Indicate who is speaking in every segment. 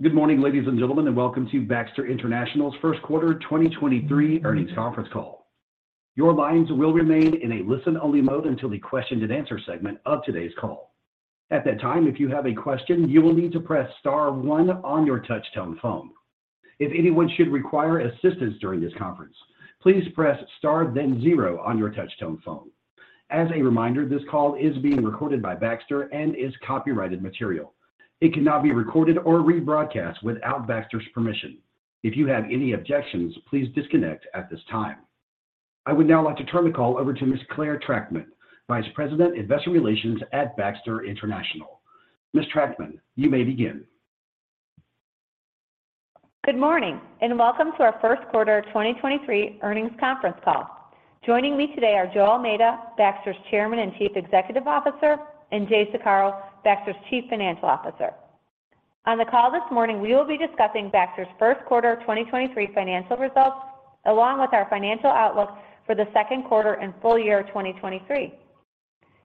Speaker 1: Good morning, ladies and gentlemen, and welcome to Baxter International's first quarter 2023 earnings conference call. Your lines will remain in a listen-only mode until the question-and-answer segment of today's call. At that time, if you have a question, you will need to press star one on your touchtone phone. If anyone should require assistance during this conference, please press star, then zero on your touchtone phone. As a reminder, this call is being recorded by Baxter and is copyrighted material. It cannot be recorded or rebroadcast without Baxter's permission. If you have any objections, please disconnect at this time. I would now like to turn the call over to Ms. Clare Trachtman, Vice President, Investor Relations at Baxter International. Ms. Trachtman, you may begin.
Speaker 2: Good morning, welcome to our first quarter 2023 earnings conference call. Joining me today are Joe Almeida, Baxter's Chairman and Chief Executive Officer, and Jay Saccaro, Baxter's Chief Financial Officer. On the call this morning, we will be discussing Baxter's first quarter 2023 financial results along with our financial outlook for the second quarter and full year 2023.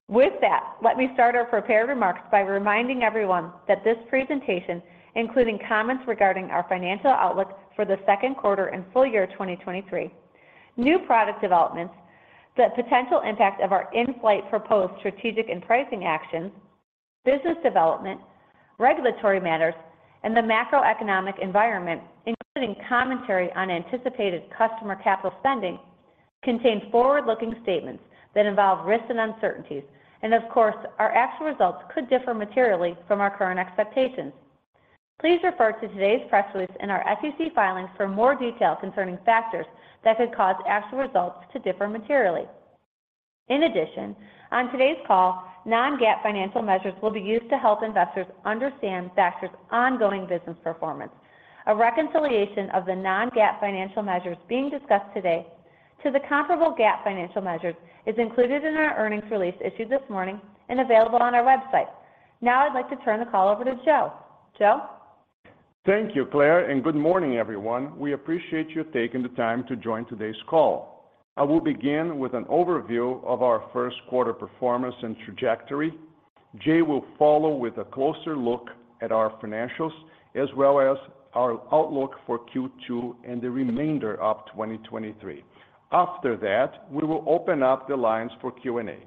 Speaker 2: With that, let me start our prepared remarks by reminding everyone that this presentation, including comments regarding our financial outlook for the second quarter and full year 2023. New product developments, the potential impact of our in-flight proposed strategic and pricing actions, business development, regulatory matters, and the macroeconomic environment, including commentary on anticipated customer capital spending, contain forward-looking statements that involve risks and uncertainties. Of course, our actual results could differ materially from our current expectations. Please refer to today's press release and our SEC filings for more detail concerning factors that could cause actual results to differ materially. In addition, on today's call, non-GAAP financial measures will be used to help investors understand Baxter's ongoing business performance. A reconciliation of the non-GAAP financial measures being discussed today to the comparable GAAP financial measures is included in our earnings release issued this morning and available on our website. Now I'd like to turn the call over to Joe. Joe?
Speaker 3: Thank you, Clare. Good morning, everyone. We appreciate you taking the time to join today's call. I will begin with an overview of our first quarter performance and trajectory. Jay will follow with a closer look at our financials as well as our outlook for Q2 and the remainder of 2023. After that, we will open up the lines for Q&A.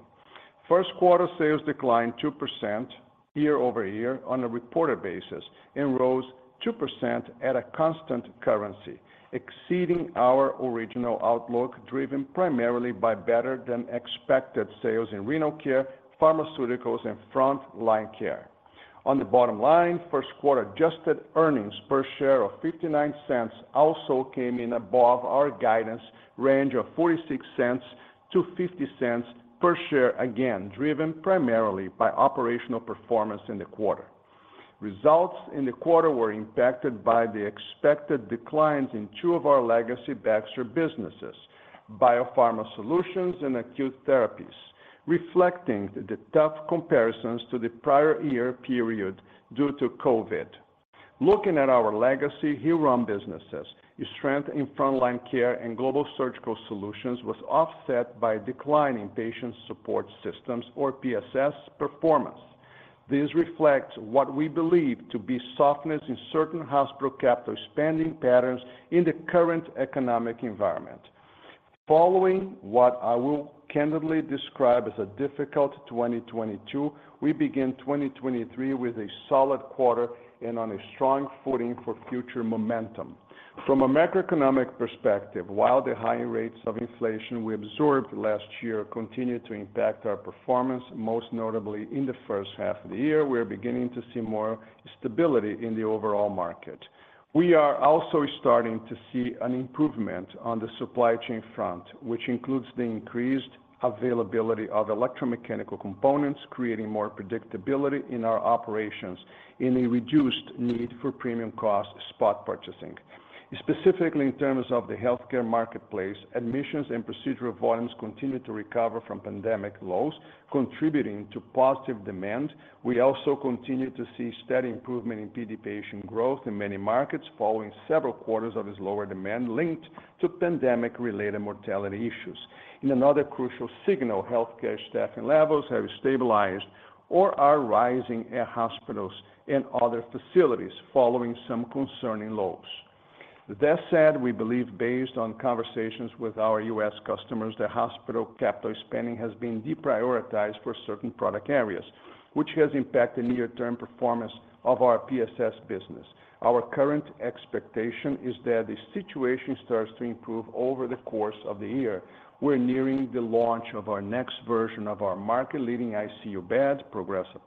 Speaker 3: First quarter sales declined 2% year-over-year on a reported basis and rose 2% at a constant currency, exceeding our original outlook driven primarily by better than expected sales in Renal Care, Pharmaceuticals, and Front Line Care. On the bottom line, first quarter adjusted earnings per share of $0.59 also came in above our guidance range of $0.46-$0.50 per share, again driven primarily by operational performance in the quarter. Results in the quarter were impacted by the expected declines in two of our legacy Baxter businesses, BioPharma Solutions and Acute Therapies, reflecting the tough comparisons to the prior year period due to COVID. Looking at our legacy Hillrom businesses, the strength in Front Line Care and Global Surgical Solutions was offset by a decline in Patient Support Systems or PSS performance. This reflects what we believe to be softness in certain hospital capital spending patterns in the current economic environment. Following what I will candidly describe as a difficult 2022, we begin 2023 with a solid quarter and on a strong footing for future momentum. From a macroeconomic perspective, while the high rates of inflation we absorbed last year continued to impact our performance, most notably in the first half of the year, we are beginning to see more stability in the overall market. We are also starting to see an improvement on the supply chain front, which includes the increased availability of electromechanical components, creating more predictability in our operations in a reduced need for premium cost spot purchasing. Specifically in terms of the healthcare marketplace, admissions and procedural volumes continue to recover from pandemic lows, contributing to positive demand. We also continue to see steady improvement in PD patient growth in many markets following several quarters of this lower demand linked to pandemic-related mortality issues. In another crucial signal, healthcare staffing levels have stabilized or are rising at hospitals and other facilities following some concerning lows. That said, we believe based on conversations with our U.S. customers that hospital capital spending has been deprioritized for certain product areas, which has impacted near-term performance of our PSS business. Our current expectation is that the situation starts to improve over the course of the year. We're nearing the launch of our next version of our market-leading ICU bed, Progressa+.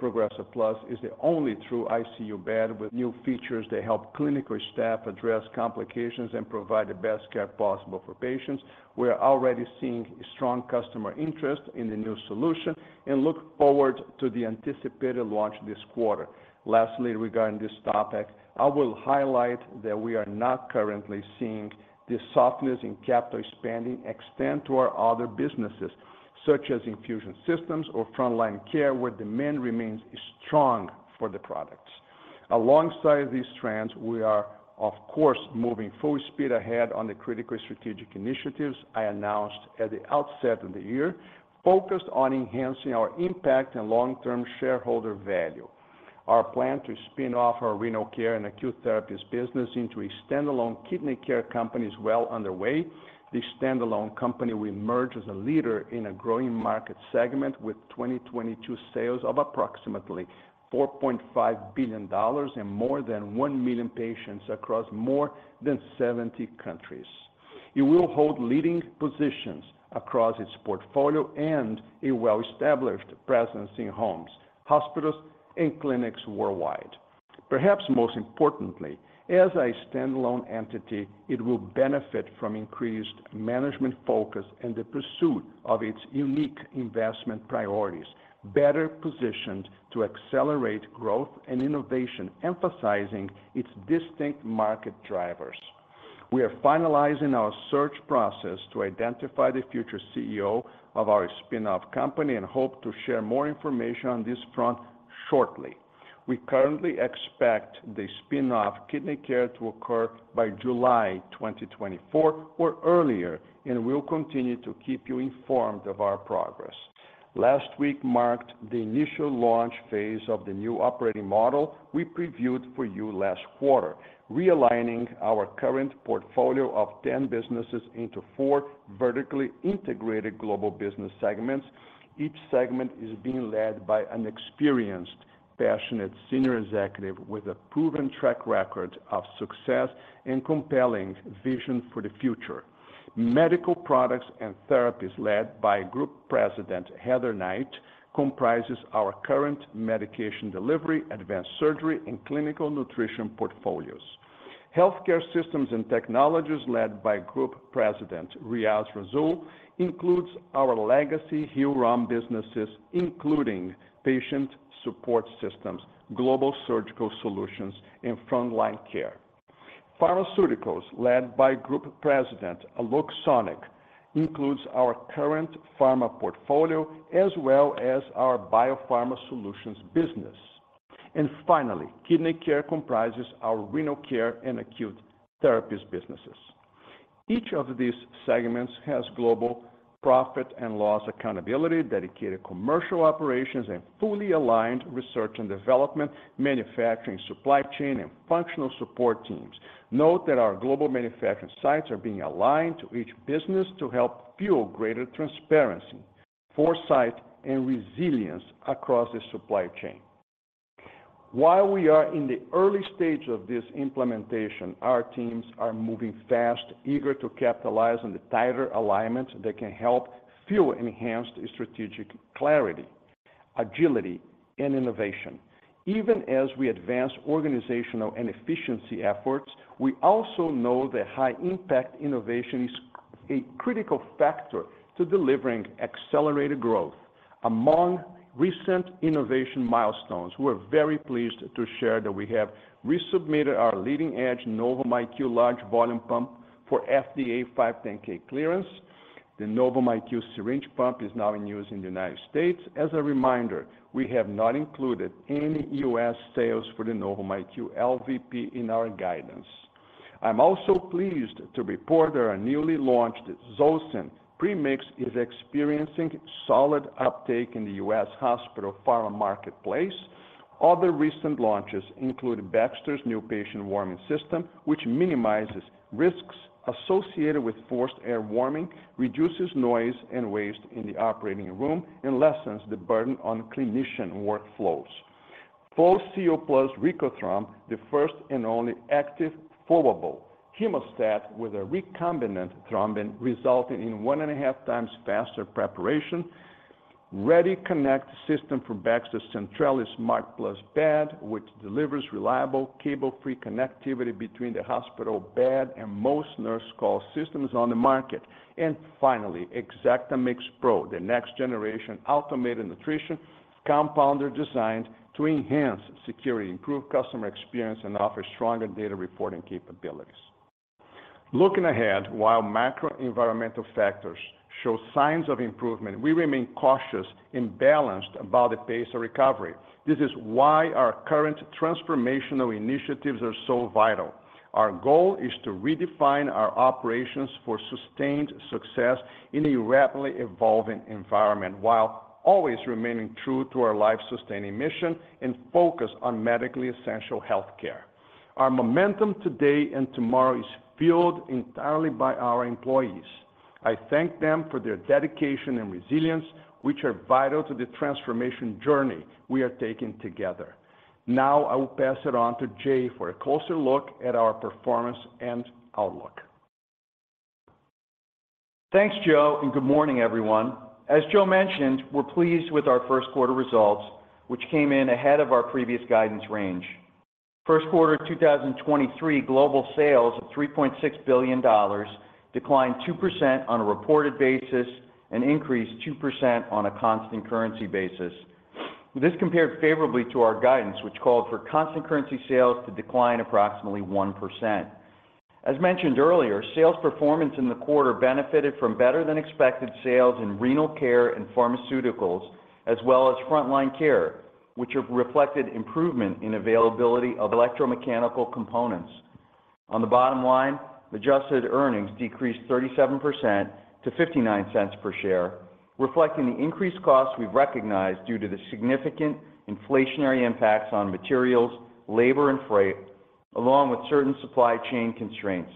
Speaker 3: Progressa+ is the only true ICU bed with new features that help clinical staff address complications and provide the best care possible for patients. We are already seeing strong customer interest in the new solution and look forward to the anticipated launch this quarter. Lastly, regarding this topic, I will highlight that we are not currently seeing the softness in capital spending extend to our other businesses, such as infusion systems or Front Line Care, where demand remains strong for the products. Alongside these trends, we are of course moving full speed ahead on the critical strategic initiatives I announced at the outset of the year, focused on enhancing our impact and long-term shareholder value. Our plan to spin off our Renal Care and Acute Therapies business into a standalone kidney care company is well underway. This standalone company will emerge as a leader in a growing market segment with 2022 sales of approximately $4.5 billion and more than 1 million patients across more than 70 countries. It will hold leading positions across its portfolio and a well-established presence in homes, hospitals, and clinics worldwide. Perhaps most importantly, as a standalone entity, it will benefit from increased management focus and the pursuit of its unique investment priorities, better positioned to accelerate growth and innovation, emphasizing its distinct market drivers. We are finalizing our search process to identify the future CEO of our spin-off company and hope to share more information on this front shortly. We currently expect the spin-off Kidney Care to occur by July 2024 or earlier, and we'll continue to keep you informed of our progress. Last week marked the initial launch phase of the new operating model we previewed for you last quarter, realigning our current portfolio of 10 businesses into four vertically integrated global business segments. Each segment is being led by an experienced, passionate senior executive with a proven track record of success and compelling vision for the future. Medical Products and Therapies led by Group President Heather Knight comprises our current Medication Delivery, Advanced Surgery, and Clinical Nutrition portfolios. Healthcare Systems and Technologies led by Group President Reaz Rasul includes our legacy Hillrom businesses, including Patient Support Systems, Global Surgical Solutions, and Front Line Care. Pharmaceuticals led by Group President Alok Sonig includes our current pharma portfolio as well as our BioPharma Solutions business. Finally, Kidney Care comprises our Renal Care and Acute Therapies businesses. Each of these segments has global profit and loss accountability, dedicated commercial operations, and fully aligned research and development, manufacturing, supply chain, and functional support teams. Note that our global manufacturing sites are being aligned to each business to help fuel greater transparency, foresight, and resilience across the supply chain. While we are in the early stage of this implementation, our teams are moving fast, eager to capitalize on the tighter alignment that can help fuel enhanced strategic clarity, agility, and innovation. Even as we advance organizational and efficiency efforts, we also know that high-impact innovation is a critical factor to delivering accelerated growth. Among recent innovation milestones, we're very pleased to share that we have resubmitted our leading-edge Novum IQ large volume pump for FDA 510(k) clearance. The Novum IQ syringe pump is now in use in the United States. As a reminder, we have not included any U.S. sales for the Novum IQ LVP in our guidance. I'm also pleased to report that our newly launched Zosyn Premix is experiencing solid uptake in the U.S. hospital pharma marketplace. Other recent launches include Baxter's new patient warming system, which minimizes risks associated with forced air warming, reduces noise and waste in the operating room, and lessens the burden on clinician workflows. FLOSEAL + RECOTHROM, the first and only active flowable hemostat with a recombinant thrombin resulting in 1.5x faster preparation. ReadyConnect system from Baxter's Centrella Smart+ Bed, which delivers reliable cable-free connectivity between the hospital bed and most nurse call systems on the market. Finally, ExactaMix Pro, the next generation automated nutrition compounder designed to enhance security, improve customer experience, and offer stronger data reporting capabilities. Looking ahead, while macro environmental factors show signs of improvement, we remain cautious and balanced about the pace of recovery. This is why our current transformational initiatives are so vital. Our goal is to redefine our operations for sustained success in a rapidly evolving environment, while always remaining true to our life-sustaining mission and focus on medically essential healthcare. Our momentum today and tomorrow is fueled entirely by our employees. I thank them for their dedication and resilience, which are vital to the transformation journey we are taking together. I will pass it on to Jay for a closer look at our performance and outlook.
Speaker 4: Thanks, Joe, good morning, everyone. As Joe mentioned, we're pleased with our first quarter results, which came in ahead of our previous guidance range. First quarter 2023 global sales of $3.6 billion declined 2% on a reported basis and increased 2% on a constant currency basis. This compared favorably to our guidance, which called for constant currency sales to decline approximately 1%. As mentioned earlier, sales performance in the quarter benefited from better than expected sales in Renal Care and Pharmaceuticals, as well as Front Line Care, which have reflected improvement in availability of electromechanical components. On the bottom line, adjusted earnings decreased 37% to $0.59 per share, reflecting the increased costs we've recognized due to the significant inflationary impacts on materials, labor, and freight, along with certain supply chain constraints.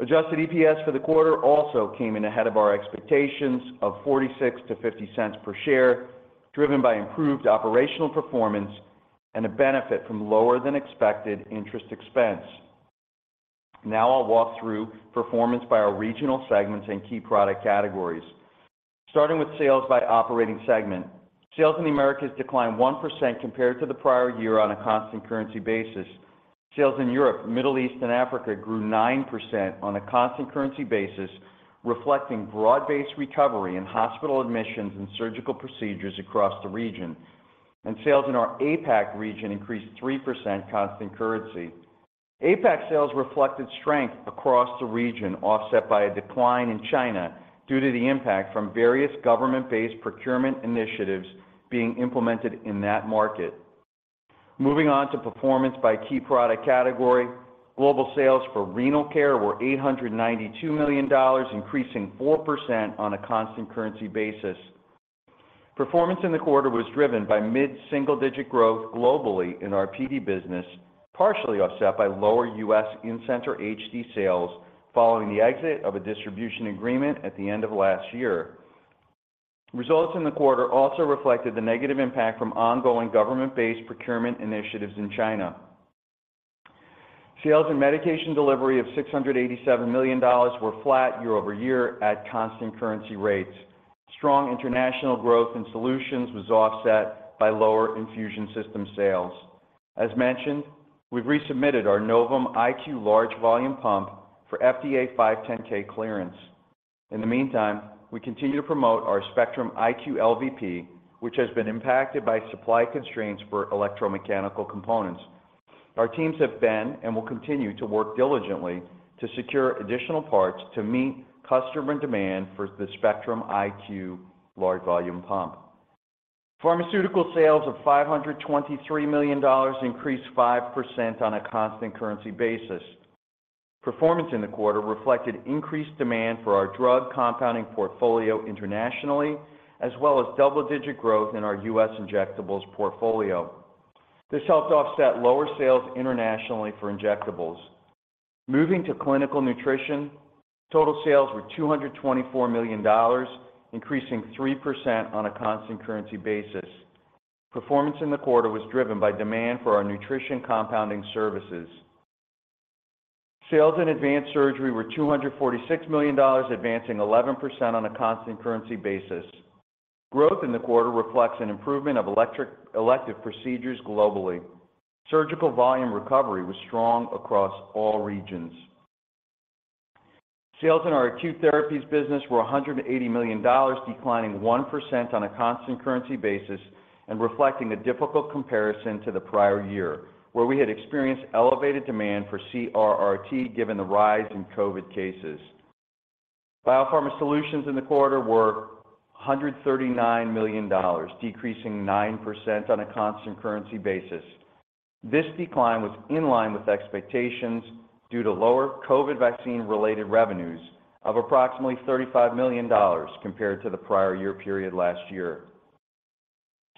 Speaker 4: Adjusted EPS for the quarter also came in ahead of our expectations of $0.46-$0.50 per share, driven by improved operational performance and a benefit from lower than expected interest expense. Now I'll walk through performance by our regional segments and key product categories. Starting with sales by operating segment. Sales in the Americas declined 1% compared to the prior year on a constant currency basis. Sales in Europe, Middle East, and Africa grew 9% on a constant currency basis, reflecting broad-based recovery in hospital admissions and surgical procedures across the region. Sales in our APAC region increased 3% constant currency. APAC sales reflected strength across the region, offset by a decline in China due to the impact from various government-based procurement initiatives being implemented in that market. Moving on to performance by key product category. Global sales for Renal Care were $892 million, increasing 4% on a constant currency basis. Performance in the quarter was driven by mid-single-digit growth globally in our PD business, partially offset by lower U.S. in-center HD sales following the exit of a distribution agreement at the end of last year. Results in the quarter also reflected the negative impact from ongoing government-based procurement initiatives in China. Sales in Medication Delivery of $687 million were flat year-over-year at constant currency rates. Strong international growth in solutions was offset by lower infusion system sales. As mentioned, we've resubmitted our Novum IQ large volume pump for FDA 510(k) clearance. In the meantime, we continue to promote our Spectrum IQ LVP, which has been impacted by supply constraints for electromechanical components. Our teams have been and will continue to work diligently to secure additional parts to meet customer demand for the Spectrum IQ large volume pump. Pharmaceutical sales of $523 million increased 5% on a constant currency basis. Performance in the quarter reflected increased demand for our drug compounding portfolio internationally, as well as double-digit growth in our U.S. injectables portfolio. This helped offset lower sales internationally for injectables. Moving to Clinical Nutrition, total sales were $224 million, increasing 3% on a constant currency basis. Performance in the quarter was driven by demand for our nutrition compounding services. Sales in Advanced Surgery were $246 million, advancing 11% on a constant currency basis. Growth in the quarter reflects an improvement of elective procedures globally. Surgical volume recovery was strong across all regions. Sales in our Acute Therapies business were $180 million, declining 1% on a constant currency basis and reflecting a difficult comparison to the prior year, where we had experienced elevated demand for CRRT, given the rise in COVID cases. BioPharma Solutions in the quarter were $139 million, decreasing 9% on a constant currency basis. This decline was in line with expectations due to lower COVID vaccine-related revenues of approximately $35 million compared to the prior year period last year.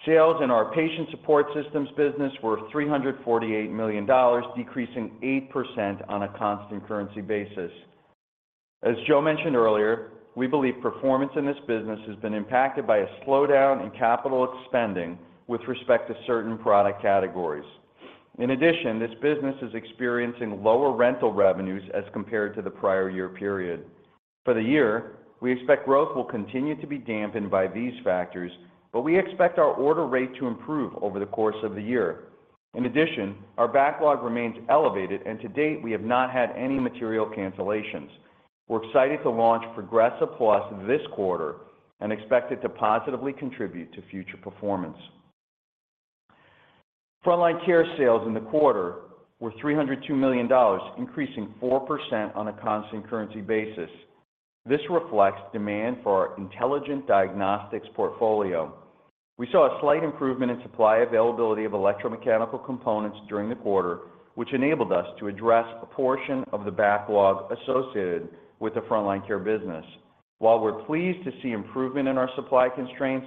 Speaker 4: Sales in our Patient Support Systems business were $348 million, decreasing 8% on a constant currency basis. As Joe mentioned earlier, we believe performance in this business has been impacted by a slowdown in capital spending with respect to certain product categories. This business is experiencing lower rental revenues as compared to the prior year period. For the year, we expect growth will continue to be dampened by these factors. We expect our order rate to improve over the course of the year. Our backlog remains elevated. To date, we have not had any material cancellations. We're excited to launch Progressa+ this quarter. We expect it to positively contribute to future performance. Front Line Care sales in the quarter were $302 million, increasing 4% on a constant currency basis. This reflects demand for our Intelligent Diagnostics portfolio. We saw a slight improvement in supply availability of electromechanical components during the quarter, which enabled us to address a portion of the backlog associated with the Front Line Care business. While we're pleased to see improvement in our supply constraints,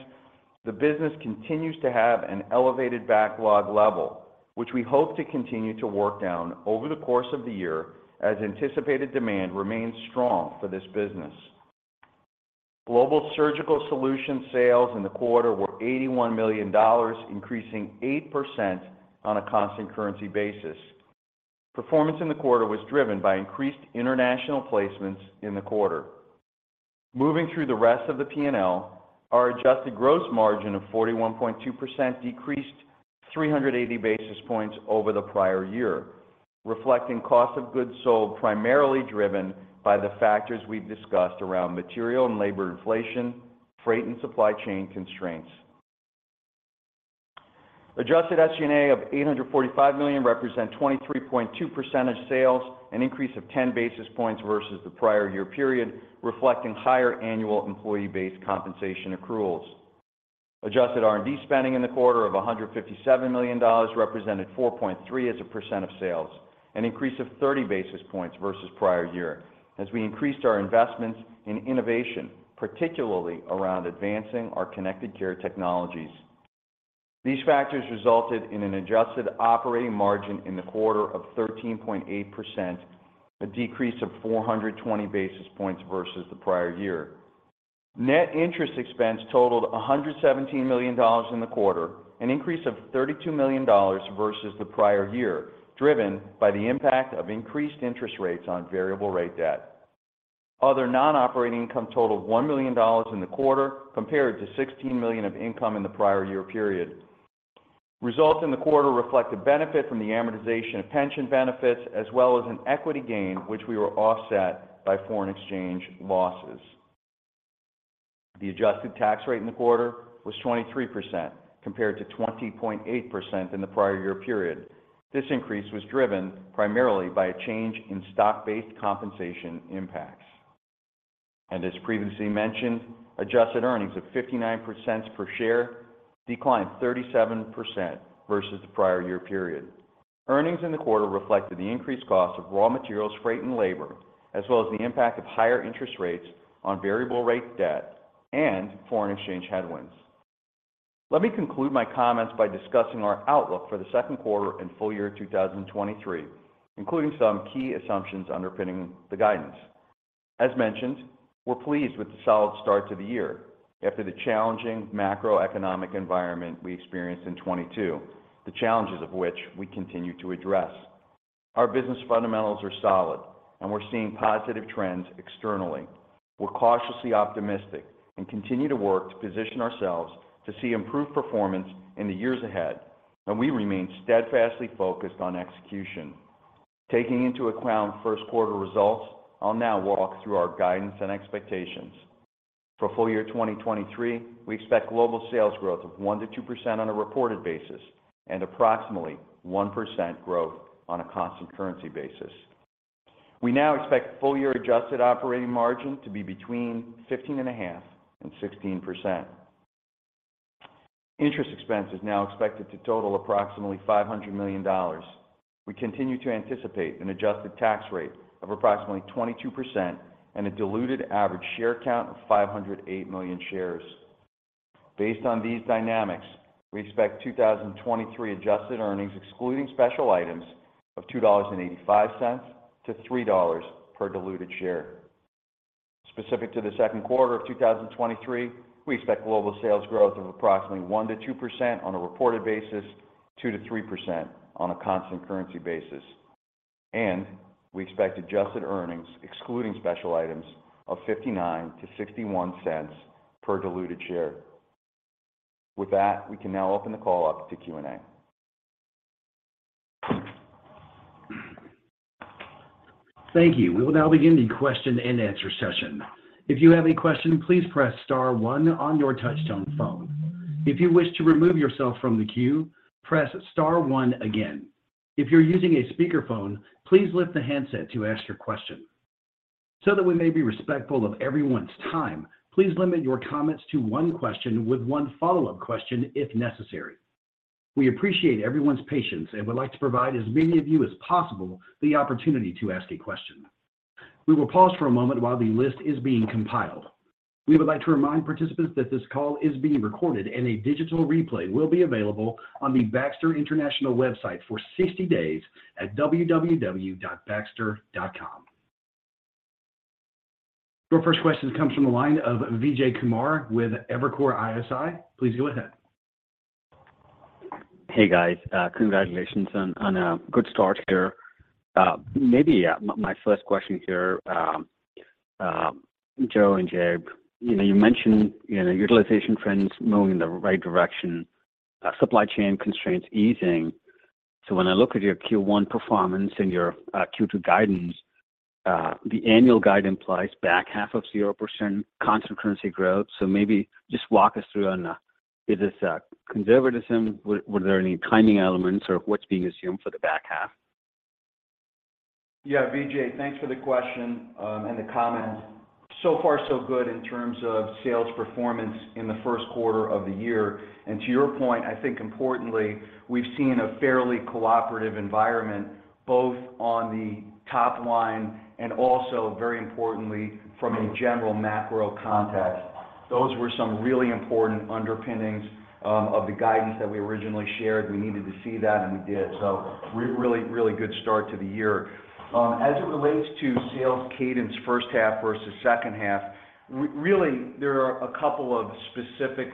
Speaker 4: the business continues to have an elevated backlog level, which we hope to continue to work down over the course of the year as anticipated demand remains strong for this business. Global Surgical Solutions sales in the quarter were $81 million, increasing 8% on a constant currency basis. Performance in the quarter was driven by increased international placements in the quarter. Moving through the rest of the P&L, our adjusted gross margin of 41.2% decreased 380 basis points over the prior year, reflecting cost of goods sold primarily driven by the factors we've discussed around material and labor inflation, freight, and supply chain constraints. Adjusted SG&A of $845 million represent 23.2% sales, an increase of 10 basis points versus the prior year period, reflecting higher annual employee base compensation accruals. Adjusted R&D spending in the quarter of $157 million represented 4.3% as a percent of sales, an increase of 30 basis points versus prior year as we increased our investments in innovation, particularly around advancing our connected care technologies. These factors resulted in an adjusted operating margin in the quarter of 13.8%, a decrease of 420 basis points versus the prior year. Net interest expense totaled $117 million in the quarter, an increase of $32 million versus the prior year, driven by the impact of increased interest rates on variable rate debt. Other non-operating income totaled $1 million in the quarter compared to $16 million of income in the prior year period. Results in the quarter reflect the benefit from the amortization of pension benefits as well as an equity gain, which we were offset by foreign exchange losses. The adjusted tax rate in the quarter was 23%, compared to 20.8% in the prior year period. This increase was driven primarily by a change in stock-based compensation impacts. As previously mentioned, adjusted earnings of 59% per share declined 37% versus the prior year period. Earnings in the quarter reflected the increased cost of raw materials, freight, and labor, as well as the impact of higher interest rates on variable rate debt and foreign exchange headwinds. Let me conclude my comments by discussing our outlook for the second quarter and full year 2023, including some key assumptions underpinning the guidance. As mentioned, we're pleased with the solid start to the year after the challenging macroeconomic environment we experienced in 2022, the challenges of which we continue to address. Our business fundamentals are solid and we're seeing positive trends externally. We're cautiously optimistic and continue to work to position ourselves to see improved performance in the years ahead, and we remain steadfastly focused on execution. Taking into account first quarter results, I'll now walk through our guidance and expectations. For full year 2023, we expect global sales growth of 1%-2% on a reported basis and approximately 1% growth on a constant currency basis. We now expect full year adjusted operating margin to be between 15.5% and 16%. Interest expense is now expected to total approximately $500 million. We continue to anticipate an adjusted tax rate of approximately 22% and a diluted average share count of 508 million shares. Based on these dynamics, we expect 2023 adjusted earnings excluding special items of $2.85-$3.00 per diluted share. Specific to the second quarter of 2023, we expect global sales growth of approximately 1%-2% on a reported basis, 2%-3% on a constant currency basis, and we expect adjusted earnings excluding special items of $0.59-$0.61 per diluted share. With that, we can now open the call up to Q&A.
Speaker 1: Thank you. We will now begin the question-and-answer session. If you have a question, please press star one on your touchtone phone. If you wish to remove yourself from the queue, press star one again. If you're using a speakerphone, please lift the handset to ask your question. That we may be respectful of everyone's time, please limit your comments to one question with one follow-up question if necessary. We appreciate everyone's patience and would like to provide as many of you as possible the opportunity to ask a question. We will pause for a moment while the list is being compiled. We would like to remind participants that this call is being recorded, and a digital replay will be available on the Baxter International website for 60 days at www.baxter.com. Your first question comes from the line of Vijay Kumar with Evercore ISI. Please go ahead.
Speaker 5: Hey, guys. congratulations on a good start here. maybe my first question here, Joe Almeida and Jay Saccaro, you know, you mentioned, you know, utilization trends moving in the right direction, supply chain constraints easing. When I look at your Q1 performance and your Q2 guidance, the annual guide implies back half of 0% constant currency growth. maybe just walk us through on, is this conservatism? Were there any timing elements, or what's being assumed for the back half?
Speaker 4: Yeah, Vijay, thanks for the question, and the comments. Far so good in terms of sales performance in the first quarter of the year. To your point, I think importantly, we've seen a fairly cooperative environment, both on the top line and also very importantly from a general macro context. Those were some really important underpinnings of the guidance that we originally shared. We needed to see that, and we did. Really, really good start to the year. As it relates to sales cadence first half versus second half, really, there are a couple of specific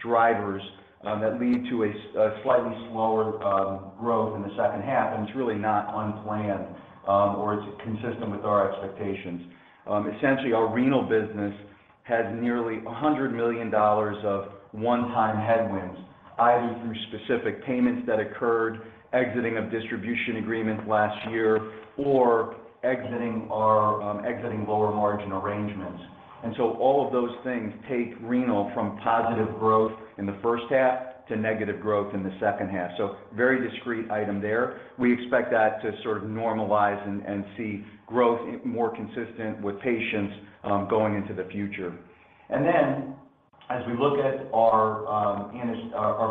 Speaker 4: drivers that lead to a slightly slower growth in the second half, and it's really not unplanned, or it's consistent with our expectations. Essentially, our renal business has nearly $100 million of one-time headwinds, either through specific payments that occurred exiting a distribution agreement last year or exiting our lower margin arrangements. All of those things take renal from positive growth in the first half to negative growth in the second half. Very discrete item there. We expect that to sort of normalize and see growth more consistent with patients going into the future. As we look at our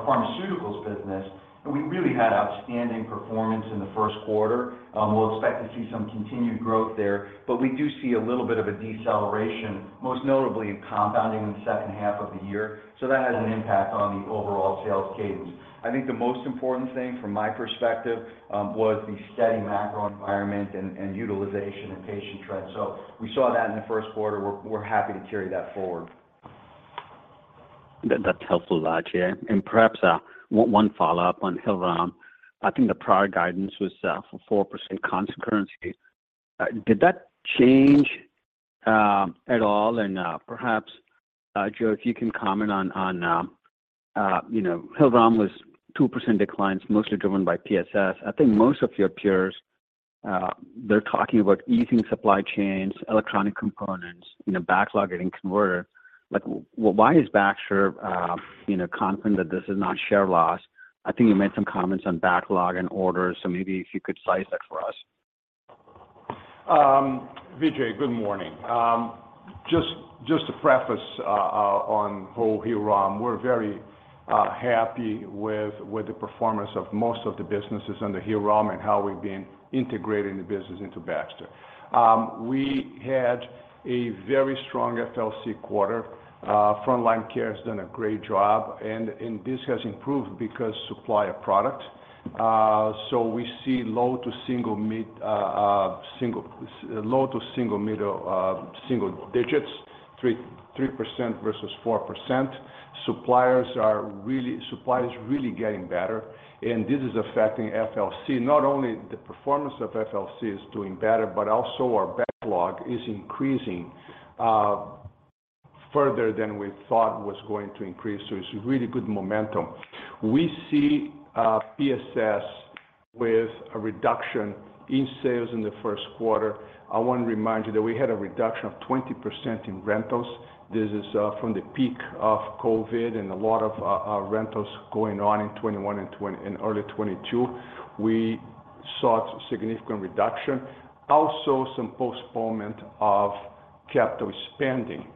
Speaker 4: pharmaceuticals business, we really had outstanding performance in the first quarter. We'll expect to see some continued growth there, but we do see a little bit of a deceleration, most notably in compounding in the second half of the year. That has an impact on the overall sales cadence. I think the most important thing from my perspective, was the steady macro environment and utilization and patient trends. We saw that in the first quarter. We're happy to carry that forward.
Speaker 5: That's helpful, a lot, Jay. Perhaps one follow-up on Hillrom. I think the prior guidance was for 4% const currency. Did that change at all? Perhaps Joe, if you can comment on, you know, Hillrom was 2% declines, mostly driven by PSS. I think most of your peers, they're talking about easing supply chains, electronic components, you know, backlog getting converted. Like, why is Baxter, you know, confident that this is not share loss? I think you made some comments on backlog and orders, so maybe if you could size that for us.
Speaker 3: Vijay, good morning. Just to preface, on whole Hillrom, we're very happy with the performance of most of the businesses under Hillrom and how we've been integrating the business into Baxter. We had a very strong FLC quarter. Front Line Care has done a great job and this has improved because supply of product. We see low to single digits, 3% versus 4%. Supply is really getting better, and this is affecting FLC. Not only the performance of FLC is doing better, but also our backlog is increasing further than we thought was going to increase. It's really good momentum. We see PSS with a reduction in sales in the first quarter. I want to remind you that we had a reduction of 20% in rentals. This is from the peak of COVID and a lot of rentals going on in 2021 and early 2022. We saw significant reduction. Also, some postponement of capital spending.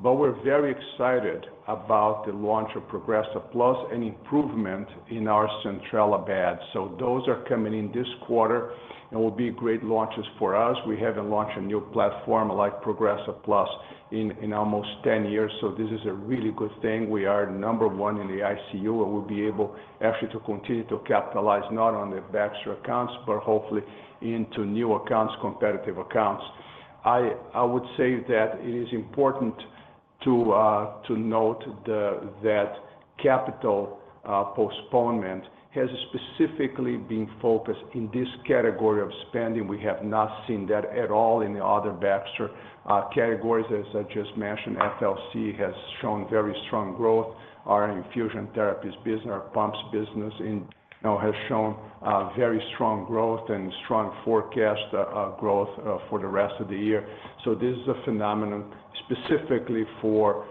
Speaker 3: We're very excited about the launch of Progressa+ and improvement in our Centrella beds. Those are coming in this quarter and will be great launches for us. We haven't launched a new platform like Progressa+ in almost 10 years, so this is a really good thing. We are number one in the ICU, and we'll be able actually to continue to capitalize not on the Baxter accounts, but hopefully into new accounts, competitive accounts. I would say that it is important to note that capital postponement has specifically been focused in this category of spending. We have not seen that at all in the other Baxter categories. As I just mentioned, FLC has shown very strong growth. Our infusion therapies business, our pumps business has shown very strong growth and strong forecast growth for the rest of the year. This is a phenomenon specifically for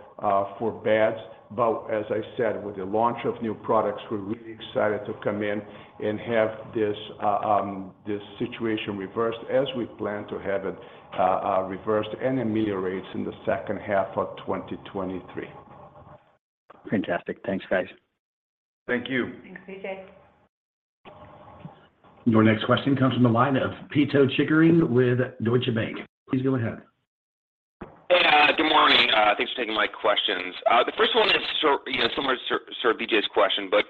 Speaker 3: beds. But as I said, with the launch of new products, we're really excited to come in and have this situation reversed as we plan to have it reversed and ameliorates in the second half of 2023.
Speaker 5: Fantastic. Thanks, guys.
Speaker 3: Thank you.
Speaker 4: Thanks, Vijay.
Speaker 1: Your next question comes from the line of Pito Chickering with Deutsche Bank. Please go ahead.
Speaker 6: Hey, good morning. Thanks for taking my questions. The first one is you know, similar to sort of Vijay's question, but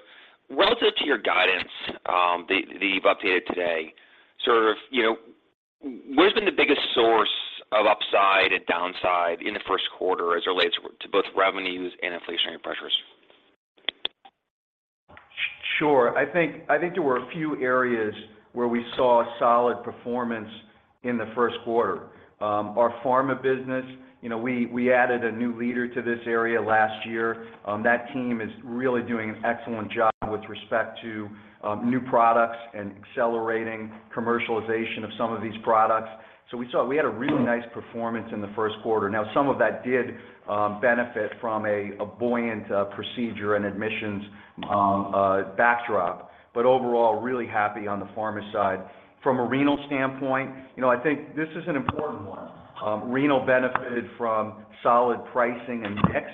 Speaker 6: relative to your guidance, that you've updated today, sort of, you know, what has been the biggest source of upside and downside in the first quarter as it relates to both revenues and inflationary pressures?
Speaker 4: Sure. I think there were a few areas where we saw solid performance in the first quarter. Our pharma business, you know, we added a new leader to this area last year. That team is really doing an excellent job with respect to new products and accelerating commercialization of some of these products. We had a really nice performance in the first quarter. Some of that did benefit from a buoyant procedure and admissions backdrop, but overall, really happy on the pharma side. From a Renal standpoint, you know, I think this is an important one. Renal benefited from solid pricing and mix,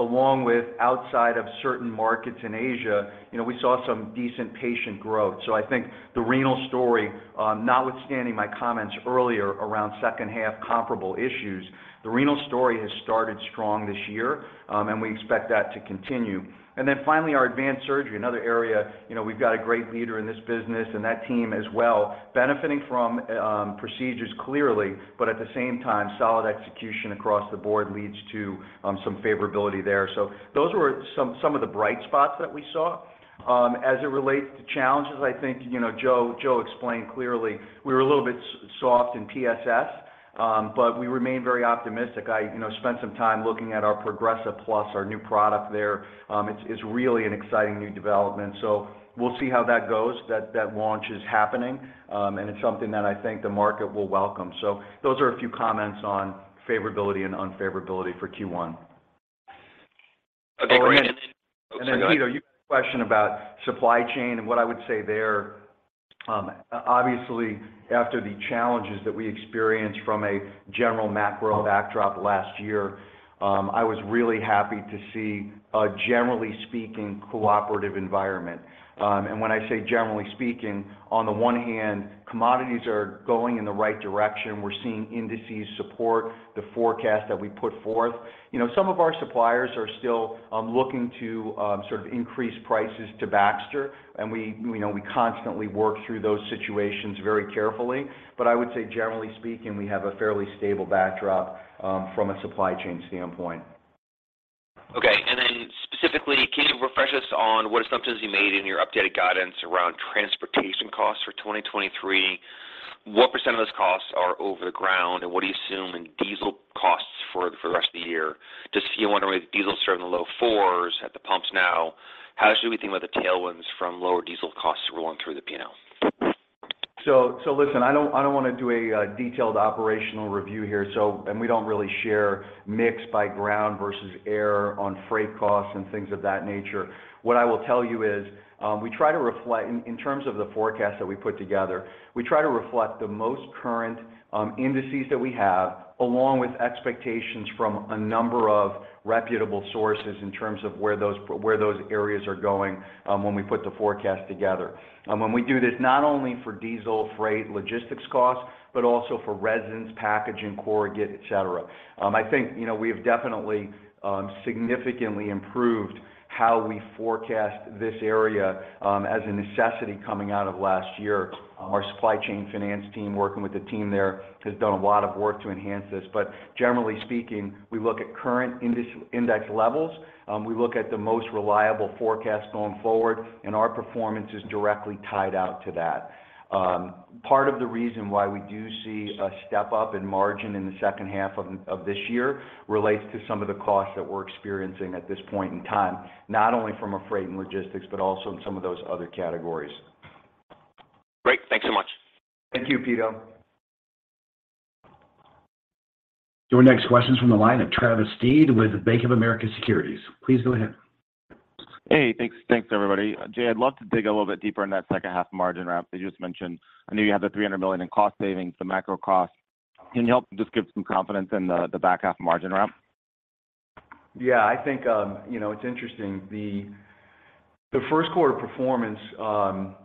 Speaker 4: along with outside of certain markets in Asia, you know, we saw some decent patient growth. I think the renal story, notwithstanding my comments earlier around second half comparable issues, the renal story has started strong this year, and we expect that to continue. Then finally, our Advanced Surgery, another area, you know, we've got a great leader in this business and that team as well, benefiting from procedures clearly, but at the same time, solid execution across the board leads to some favorability there. Those were some of the bright spots that we saw. As it relates to challenges, I think, you know, Joe explained clearly we were a little bit soft in PSS, but we remain very optimistic. I, you know, spent some time looking at our Progressa+, our new product there. It's really an exciting new development. We'll see how that goes. That launch is happening. It's something that I think the market will welcome. Those are a few comments on favorability and unfavorability for Q1.
Speaker 6: Okay, great.
Speaker 4: Pito, your question about supply chain and what I would say there, obviously after the challenges that we experienced from a general macro backdrop last year, I was really happy to see a generally speaking cooperative environment. When I say generally speaking, on the one hand, commodities are going in the right direction. We're seeing indices support the forecast that we put forth. You know, some of our suppliers are still looking to sort of increase prices to Baxter, and we know we constantly work through those situations very carefully. I would say generally speaking, we have a fairly stable backdrop from a supply chain standpoint.
Speaker 6: Okay. Specifically, can you refresh us on what assumptions you made in your updated guidance around transportation costs for 2023? What percent of those costs are over the ground? What are you assuming diesel costs for the rest of the year? If you wonder why diesel certain low fours at the pumps now, how should we think about the tailwinds from lower diesel costs rolling through the P&L?
Speaker 4: Listen, I don't wanna do a detailed operational review here. We don't really share mix by ground versus air on freight costs and things of that nature. What I will tell you is, we try to reflect in terms of the forecast that we put together, we try to reflect the most current indices that we have, along with expectations from a number of reputable sources in terms of where those areas are going, when we put the forecast together. When we do this not only for diesel freight logistics costs, but also for residents packaging corrugate, et cetera. I think, you know, we have definitely significantly improved how we forecast this area, as a necessity coming out of last year. Our supply chain finance team working with the team there has done a lot of work to enhance this. Generally speaking, we look at current index levels. We look at the most reliable forecast going forward, and our performance is directly tied out to that. Part of the reason why we do see a step up in margin in the second half of this year relates to some of the costs that we're experiencing at this point in time, not only from a freight and logistics, but also in some of those other categories.
Speaker 6: Great. Thanks so much.
Speaker 4: Thank you, Pito.
Speaker 1: Your next question is from the line of Travis Steed with Bank of America Securities. Please go ahead.
Speaker 7: Hey, thanks. Thanks everybody. Jay, I'd love to dig a little bit deeper in that second half margin ramp that you just mentioned. I know you have the $300 million in cost savings, the macro costs. Can you help just give some confidence in the back half margin ramp?
Speaker 4: Yeah, I think, you know, it's interesting. The first quarter performance,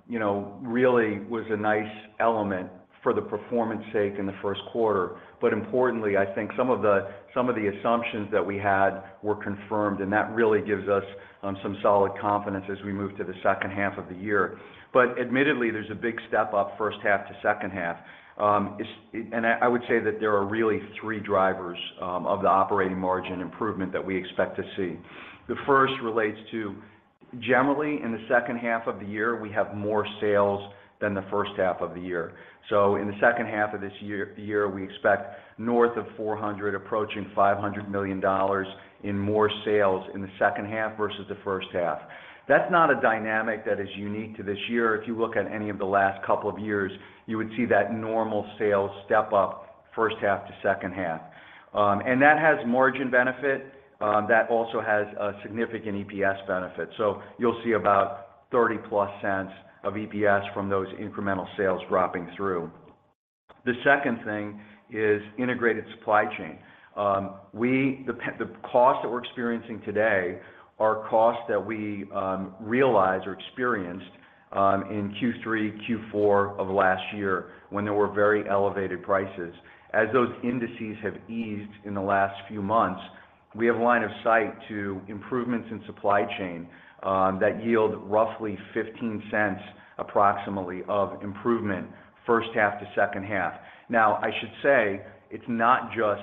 Speaker 4: you know, really was a nice element for the performance sake in the first quarter. Importantly, I think some of the assumptions that we had were confirmed, and that really gives us some solid confidence as we move to the second half of the year. Admittedly, there's a big step up first half to second half. I would say that there are really three drivers of the operating margin improvement that we expect to see. The first relates to generally in the second half of the year, we have more sales than the first half of the year. In the second half of this year, we expect north of $400 million, approaching $500 million in more sales in the second half versus the first half. That's not a dynamic that is unique to this year. If you look at any of the last couple of years, you would see that normal sales step up first half to second half. That has margin benefit, that also has a significant EPS benefit. You'll see about $0.30+ of EPS from those incremental sales dropping through. The second thing is integrated supply chain. The costs that we're experiencing today are costs that we realized or experienced in Q3, Q4 of last year when there were very elevated prices. As those indices have eased in the last few months, we have line of sight to improvements in supply chain, that yield roughly $0.15 approximately of improvement first half to second half. I should say it's not just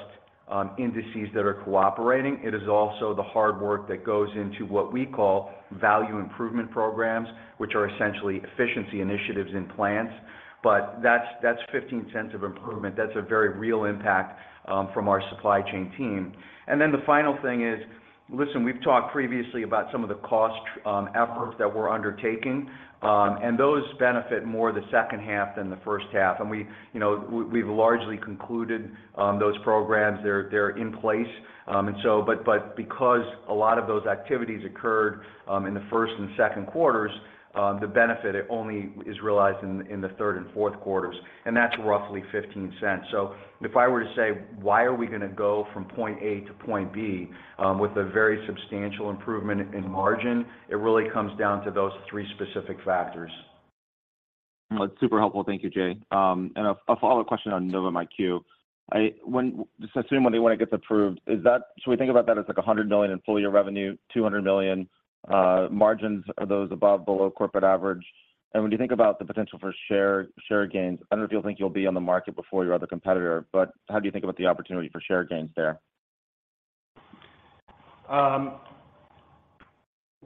Speaker 4: indices that are cooperating. It is also the hard work that goes into what we call value improvement programs, which are essentially efficiency initiatives in plants. That's $0.15 of improvement. That's a very real impact from our supply chain team. Then the final thing is, listen, we've talked previously about some of the cost efforts that we're undertaking, and those benefit more the second half than the first half. We, you know, we've largely concluded those programs. They're, they're in place. Because a lot of those activities occurred in the first and second quarters, the benefit only is realized in the third and fourth quarters, and that's roughly $0.15. If I were to say, why are we gonna go from point A to point B, with a very substantial improvement in margin, it really comes down to those three specific factors.
Speaker 7: That's super helpful. Thank you, Jay. A follow-up question on Novum IQ. Just assuming when it gets approved, should we think about that as like $100 million in full year revenue, $200 million, margins? Are those above, below corporate average? When you think about the potential for share gains, I don't know if you'll think you'll be on the market before your other competitor, but how do you think about the opportunity for share gains there?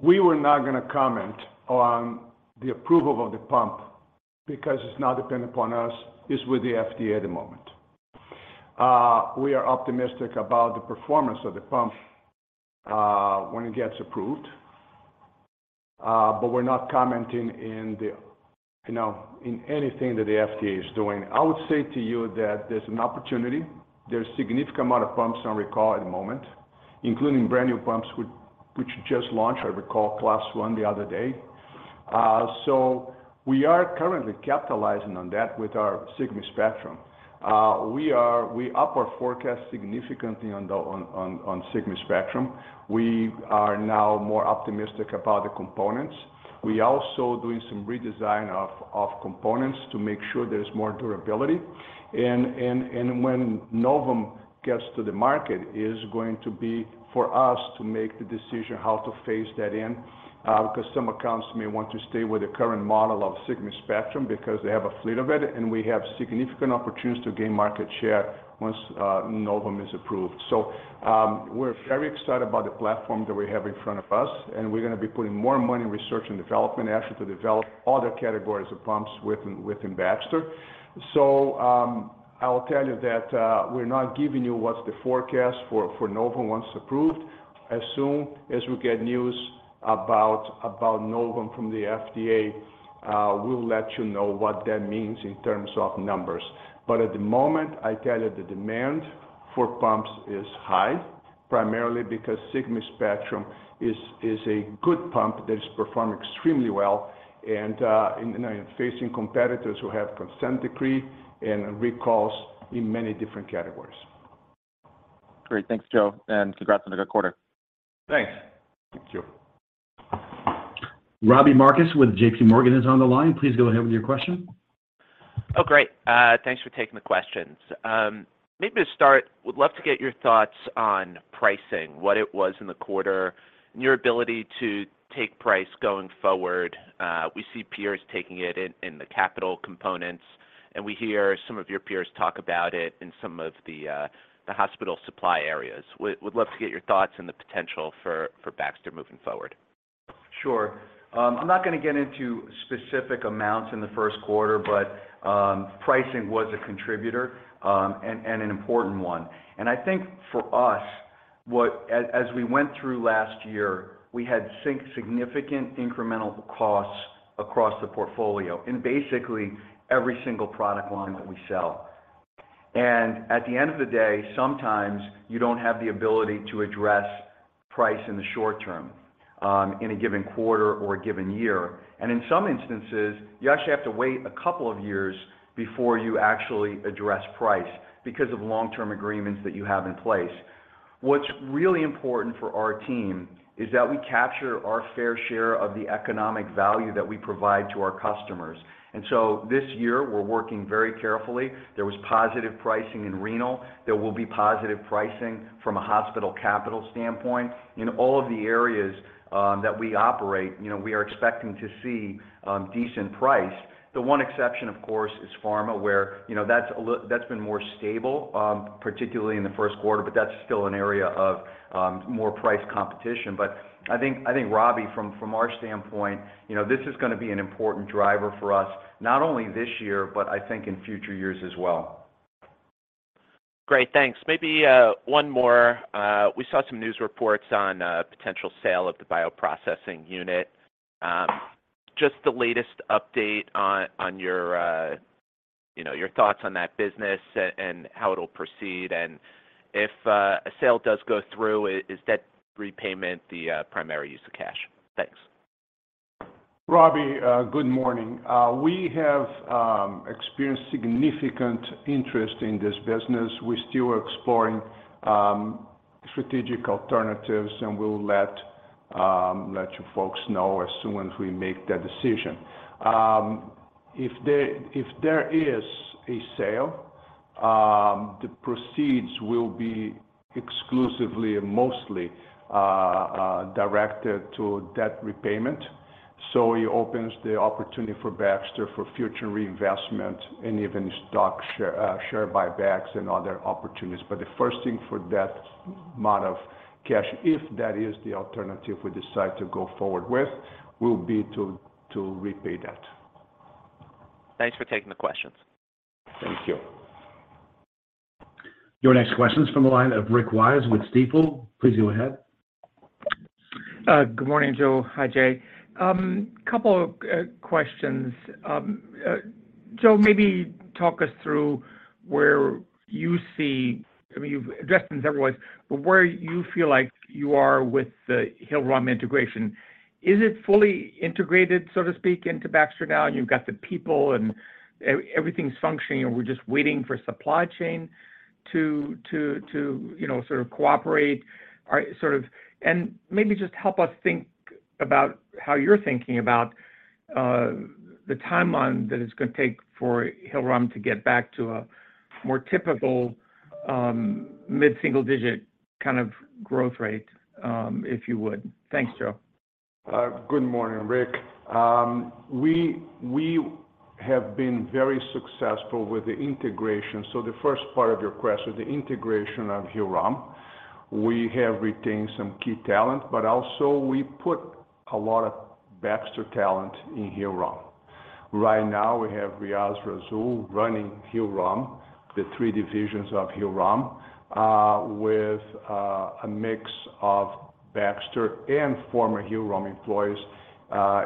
Speaker 3: We were not gonna comment on the approval of the pump because it's not dependent upon us. It's with the FDA at the moment. We are optimistic about the performance of the pump when it gets approved. We're not commenting, you know, in anything that the FDA is doing. I would say to you that there's an opportunity. There's significant amount of pumps on recall at the moment, including brand-new pumps which just launched a recall Class I the other day. We are currently capitalizing on that with our SIGMA Spectrum. We upped our forecast significantly on the SIGMA Spectrum. We are now more optimistic about the components. We also doing some redesign of components to make sure there's more durability. When Novum gets to the market, it is going to be for us to make the decision how to phase that in because some accounts may want to stay with the current model of SIGMA Spectrum because they have a fleet of it, and we have significant opportunities to gain market share once Novum is approved. We're very excited about the platform that we have in front of us, and we're gonna be putting more money in research and development effort to develop other categories of pumps within Baxter. I will tell you that we're not giving you what's the forecast for Novum once approved. As soon as we get news about Novum from the FDA, we'll let you know what that means in terms of numbers. At the moment, I tell you the demand for pumps is high, primarily because SIGMA Spectrum is a good pump that has performed extremely well and, you know, facing competitors who have consent decree and recalls in many different categories.
Speaker 8: Great. Thanks, Joe, and congrats on a good quarter.
Speaker 3: Thanks. Thank you.
Speaker 1: Robbie Marcus with JPMorgan is on the line. Please go ahead with your question.
Speaker 8: Great. Thanks for taking the questions. Maybe to start, would love to get your thoughts on pricing, what it was in the quarter, and your ability to take price going forward. We see peers taking it in the capital components, and we hear some of your peers talk about it in some of the hospital supply areas. Would love to get your thoughts on the potential for Baxter moving forward.
Speaker 3: Sure. I'm not gonna get into specific amounts in the first quarter, pricing was a contributor, and an important one. I think for us, as we went through last year, we had significant incremental costs across the portfolio in basically every single product line that we sell. At the end of the day, sometimes you don't have the ability to address price in the short term, in a given quarter or a given year. In some instances, you actually have to wait a couple of years before you actually address price because of long-term agreements that you have in place. What's really important for our team is that we capture our fair share of the economic value that we provide to our customers. This year, we're working very carefully. There was positive pricing in Renal Care. There will be positive pricing from a hospital capital standpoint. In all of the areas that we operate, you know, we are expecting to see decent price. The one exception, of course, is pharma, where, you know, that's been more stable, particularly in the first quarter, that's still an area of more price competition. I think, Robbie, from our standpoint, you know, this is gonna be an important driver for us, not only this year, but I think in future years as well.
Speaker 8: Great. Thanks. Maybe, one more. We saw some news reports on a potential sale of the bioprocessing unit. Just the latest update on your, you know, your thoughts on that business and how it'll proceed. If, a sale does go through, is debt repayment the, primary use of cash? Thanks.
Speaker 3: Robbie, good morning. We have experienced significant interest in this business. We still are exploring strategic alternatives, and we'll let you folks know as soon as we make that decision. If there is a sale, the proceeds will be exclusively or mostly directed to debt repayment. It opens the opportunity for Baxter for future reinvestment and even stock share buybacks and other opportunities. The first thing for that amount of cash, if that is the alternative we decide to go forward with, will be to repay debt.
Speaker 8: Thanks for taking the questions.
Speaker 3: Thank you.
Speaker 1: Your next question is from the line of Rick Wise with Stifel. Please go ahead.
Speaker 9: Good morning, Joe. Hi, Jay. Couple questions. Joe, maybe talk us through where you see-- I mean, you've addressed this in several ways, but where you feel like you are with the Hillrom integration. Is it fully integrated, so to speak, into Baxter now? You've got the people and everything's functioning, and we're just waiting for supply chain to, you know, sort of cooperate? Maybe just help us think about how you're thinking about, the timeline that it's gonna take for Hillrom to get back to a more typical mid-single-digit kind of growth rate, if you would. Thanks, Joe.
Speaker 3: Good morning, Rick. We have been very successful with the integration. The first part of your question, the integration of Hillrom, we have retained some key talent, but also we put a lot of Baxter talent in Hillrom. Right now we have Reaz Rasul running Hillrom, the three divisions of Hillrom, with a mix of Baxter and former Hillrom employees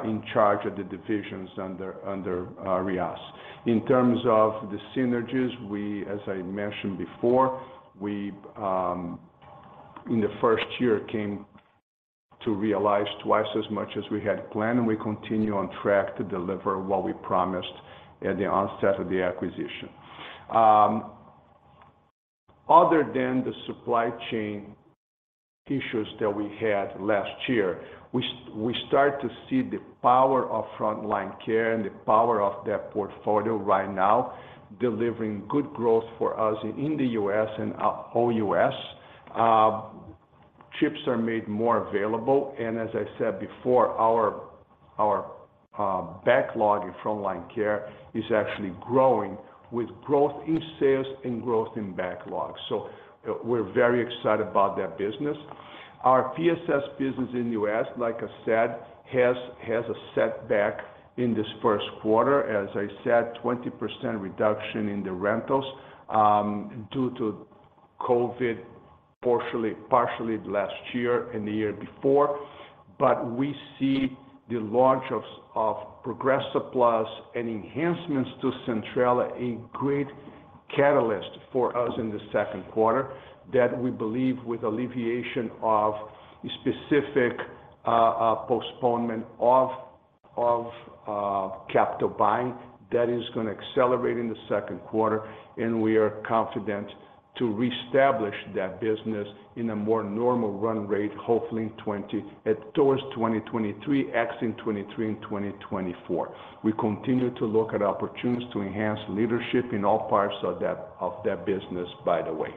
Speaker 3: in charge of the divisions under Reaz. In terms of the synergies, we, as I mentioned before, we've in the first year came to realize twice as much as we had planned, and we continue on track to deliver what we promised at the onset of the acquisition. Other than the supply chain issues that we had last year, we start to see the power of Front Line Care and the power of that portfolio right now, delivering good growth for us in the U.S. and, whole U.S. Chips are made more available. As I said before, our, backlog in Front Line Care is actually growing with growth in sales and growth in backlog. We're very excited about that business. Our PSS business in the U.S., like I said, has a setback in this first quarter. As I said, 20% reduction in the rentals, due to COVID, partially last year and the year before. We see the launch of Progressa+ and enhancements to Centrella, a great catalyst for us in the second quarter that we believe with alleviation of specific postponement of capital buying, that is gonna accelerate in the second quarter. We are confident to reestablish that business in a more normal run rate, hopefully towards 2023, in 2023 and 2024. We continue to look at opportunities to enhance leadership in all parts of that business, by the way.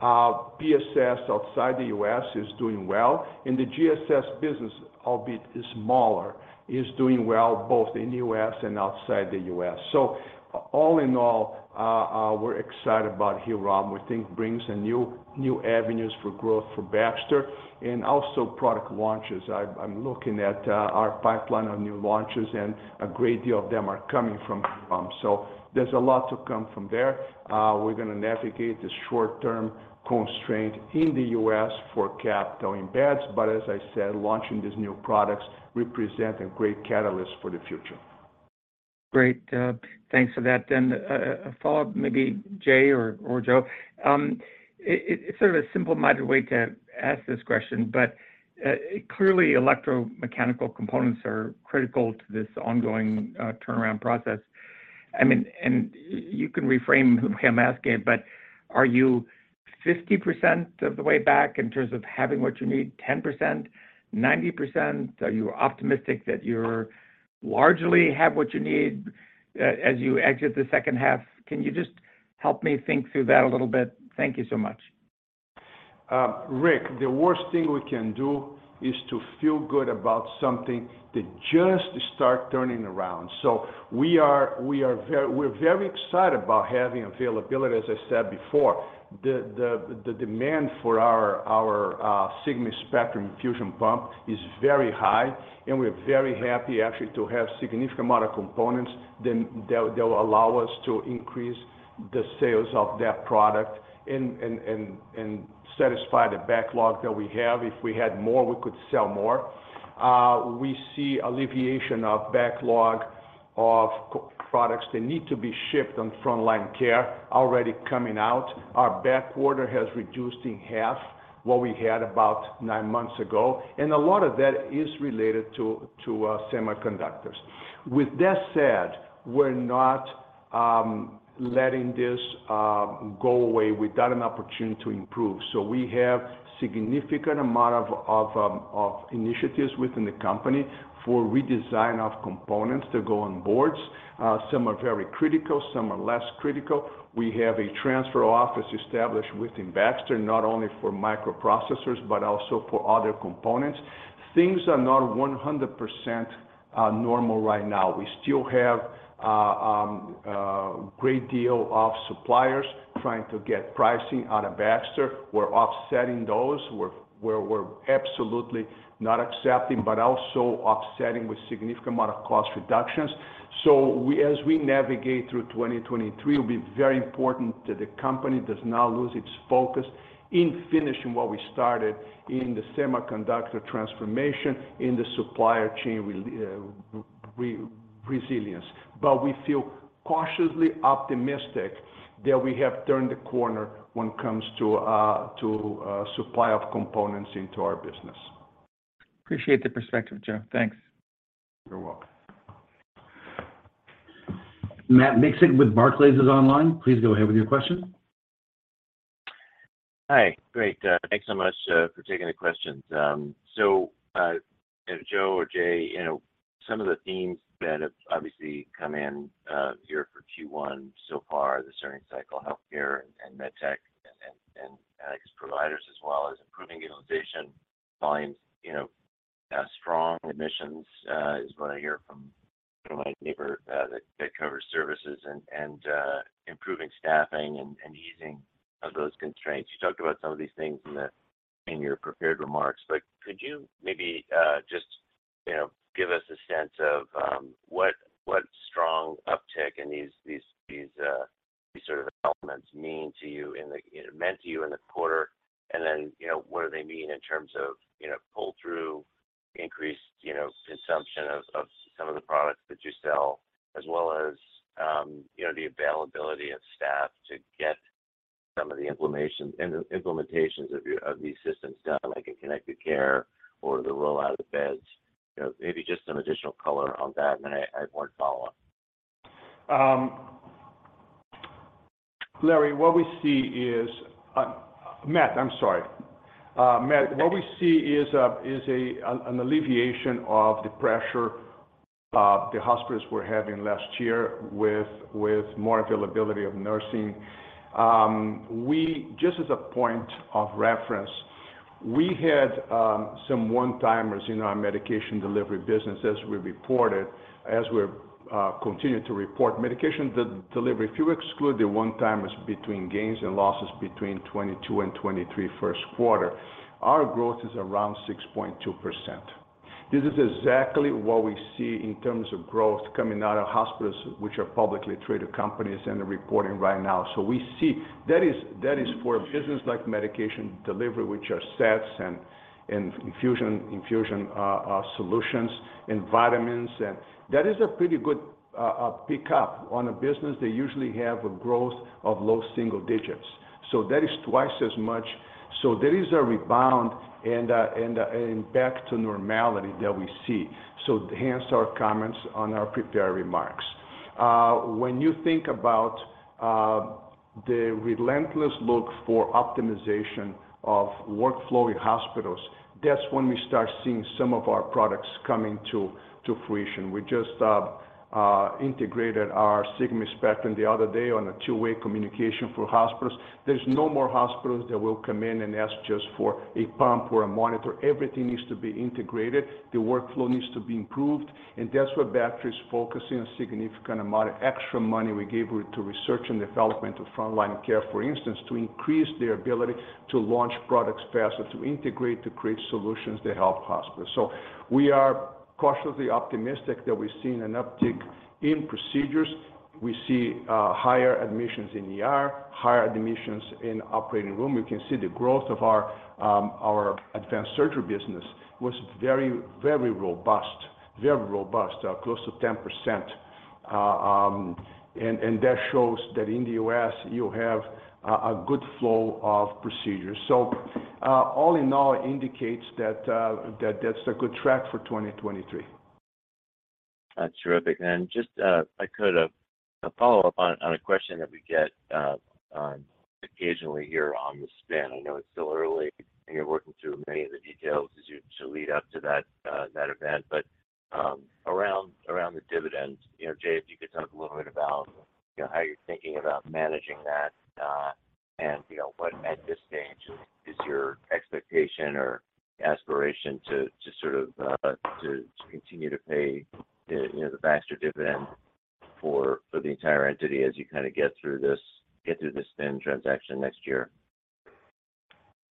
Speaker 3: PSS outside the U.S. is doing well. The GSS business, albeit is smaller, is doing well both in the U.S. and outside the U.S. All in all, we're excited about Hillrom. We think brings new avenues for growth for Baxter and also product launches. I'm looking at our pipeline of new launches, and a great deal of them are coming from Hillrom. There's a lot to come from there. We're gonna navigate the short-term constraint in the U.S. for capital embeds. As I said, launching these new products represent a great catalyst for the future.
Speaker 9: Great. Thanks for that. A follow-up, maybe Jay or Joe. It's sort of a simple-minded way to ask this question, but clearly electromechanical components are critical to this ongoing turnaround process. I mean, and you can reframe the way I'm asking it, but are you 50% of the way back in terms of having what you need? 10%? 90%? Are you optimistic that you're largely have what you need as you exit the second half? Can you just help me think through that a little bit? Thank you so much.
Speaker 3: Rick, the worst thing we can do is to feel good about something that just start turning around. We are very excited about having availability. As I said before, the demand for our SIGMA Spectrum infusion pump is very high, and we're very happy actually to have significant amount of components that will allow us to increase the sales of that product and satisfy the backlog that we have. If we had more, we could sell more. We see alleviation of backlog of products that need to be shipped on Front Line Care already coming out. Our back order has reduced in half what we had about nine months ago, and a lot of that is related to semiconductors. With that said, we're not letting this go away without an opportunity to improve. We have significant amount of initiatives within the company for redesign of components to go on boards. Some are very critical, some are less critical. We have a transfer office established within Baxter, not only for microprocessors, but also for other components. Things are not 100% normal right now. We still have a great deal of suppliers trying to get pricing out of Baxter. We're offsetting those. We're absolutely not accepting, but also offsetting with significant amount of cost reductions. As we navigate through 2023, it'll be very important that the company does not lose its focus in finishing what we started in the semiconductor transformation, in the supplier chain resilience. We feel cautiously optimistic that we have turned the corner when it comes to supply of components into our business.
Speaker 9: Appreciate the perspective, Joe. Thanks.
Speaker 3: You're welcome.
Speaker 1: Matt Miksic with Barclays is online. Please go ahead with your question.
Speaker 10: Hi. Great. Thanks so much for taking the questions. Joe or Jay, you know, some of the themes that have obviously come in here for Q1 so far, the turning cycle healthcare and medtech and I guess providers as well as improving utilization volumes, you know, strong admissions is what I hear from my neighbor that covers services and improving staffing and easing of those constraints. You talked about some of these things in your prepared remarks, like could you maybe, just, you know, give us a sense of, what strong uptick in these sort of developments meant to you in the quarter, and then, you know, what do they mean in terms of, you know, pull-through increase, you know, consumption of some of the products that you sell, as well as, you know, the availability of staff to get some of the implementations of these systems done, like in connected care or the roll out of the beds. You know, maybe just some additional color on that, and then I have one follow-up.
Speaker 3: Larry, what we see is Matt, I'm sorry. Matt, what we see is an alleviation of the pressure the hospitals were having last year with more availability of nursing. Just as a point of reference, we had some one-timers in our Medication Delivery business as we reported. As we're continuing to report, Medication Delivery, if you exclude the one-timers between gains and losses between 2022 and 2023 first quarter, our growth is around 6.2%. This is exactly what we see in terms of growth coming out of hospitals, which are publicly traded companies and are reporting right now. We see that is for a business like Medication Delivery, which are stats and infusion solutions and vitamins, and that is a pretty good pick-up on a business that usually have a growth of low single digits. That is twice as much. There is a rebound and back to normality that we see. Hence our comments on our prepared remarks. When you think about the relentless look for optimization of workflow in hospitals, that's when we start seeing some of our products coming to fruition. We just integrated our SIGMA Spectrum the other day on a two-way communication for hospitals. There's no more hospitals that will come in and ask just for a pump or a monitor. Everything needs to be integrated. The workflow needs to be improved. That's where Baxter is focusing a significant amount of extra money we gave to research and development of Front Line Care, for instance, to increase their ability to launch products faster, to integrate, to create solutions that help hospitals. We are cautiously optimistic that we've seen an uptick in procedures. We see higher admissions in ER, higher admissions in operating room. We can see the growth of our Advanced Surgery business was very, very robust, close to 10%. That shows that in the U.S., you have a good flow of procedures. All in all, it indicates that that's a good track for 2023.
Speaker 10: That's terrific. Just, if I could, follow up on a question that we get, occasionally here on the spin. I know it's still early and you're working through many of the details to lead up to that event. Around the dividend, you know, Jay, if you could talk a little bit about, you know, how you're thinking about managing that, and, you know, what at this stage is your expectation or aspiration to sort of, to continue to pay the, you know, the Baxter dividend for the entire entity as you kinda get through this spin transaction next year?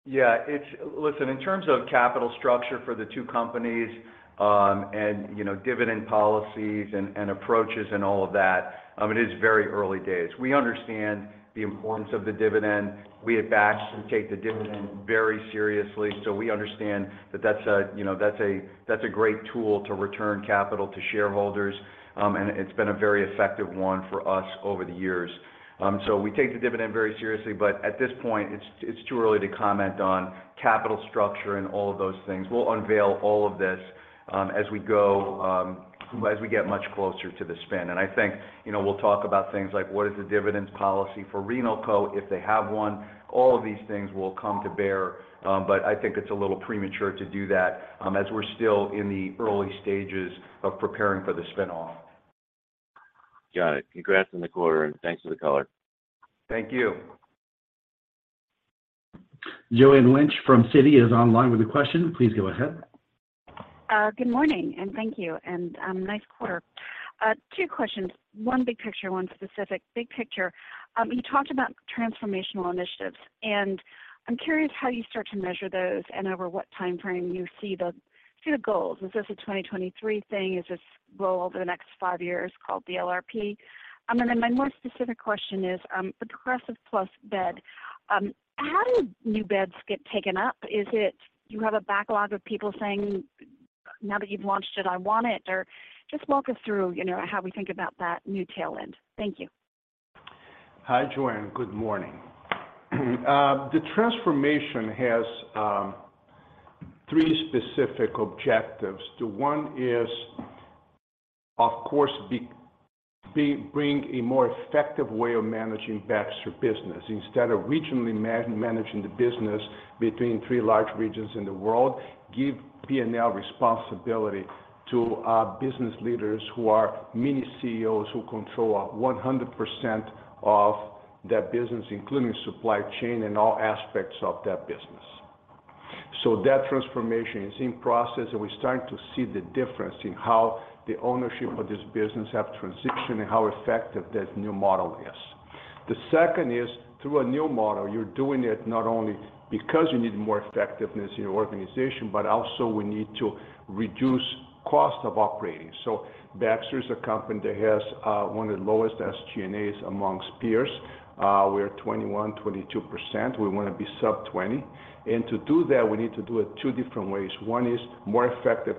Speaker 4: Yeah, it's Listen, in terms of capital structure for the two companies, and, you know, dividend policies and approaches and all of that, it is very early days. We understand the importance of the dividend. We at Baxter take the dividend very seriously, so we understand that that's a great tool to return capital to shareholders. It's been a very effective one for us over the years. We take the dividend very seriously, but at this point, it's too early to comment on capital structure and all of those things. We'll unveil all of this, as we go, as we get much closer to the spin. I think, you know, we'll talk about things like what is the dividends policy for Renalco, if they have one. All of these things will come to bear, but I think it's a little premature to do that as we're still in the early stages of preparing for the spin-off.
Speaker 10: Got it. Congrats on the quarter. Thanks for the color.
Speaker 4: Thank you.
Speaker 1: Joanne Wuensch from Citi is online with a question. Please go ahead.
Speaker 11: Good morning, and thank you, and nice quarter. Two questions. One big picture, one specific. Big picture, you talked about transformational initiatives, and I'm curious how you start to measure those and over what timeframe you see the goals. Is this a 2023 thing? Is this roll over the next five years called the LRP? My more specific question is, Progressa+ bed, how do new beds get taken up? Is it you have a backlog of people saying, "Now that you've launched it, I want it." Or just walk us through, you know, how we think about that new tail end. Thank you.
Speaker 3: Hi, Joanne. Good morning. The transformation has three specific objectives. One is, of course, bring a more effective way of managing Baxter business. Instead of regionally managing the business between three large regions in the world, give P&L responsibility to our business leaders who are mini CEOs who control 100% of that business, including supply chain and all aspects of that business. That transformation is in process, and we're starting to see the difference in how the ownership of this business have transitioned and how effective that new model is. The second is through a new model. You're doing it not only because you need more effectiveness in your organization, but also we need to reduce cost of operating. Baxter is a company that has one of the lowest SG&As amongst peers. We are 21%, 22%. We wanna be sub 20%. To do that, we need to do it two different ways. One is more effective